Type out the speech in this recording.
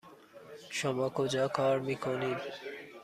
شما کجا کار میکنید؟